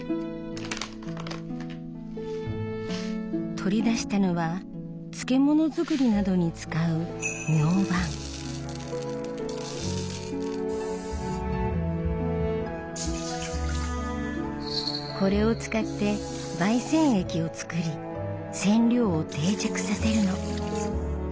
取り出したのは漬物作りなどに使うこれを使って媒染液を作り染料を定着させるの。